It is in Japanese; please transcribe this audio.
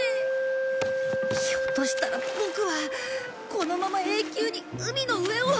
ひょっとしたらボクはこのまま永久に海の上を。